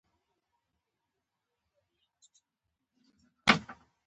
نوی امید د راتلونکي څراغ دی